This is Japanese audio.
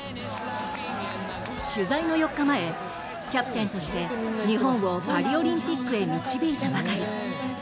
取材の４日前、キャプテンとして日本をパリオリンピックへ導いたばかり。